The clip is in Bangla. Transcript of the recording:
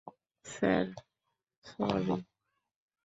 Sir, sorry.